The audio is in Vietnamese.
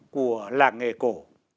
của làng nghề cổ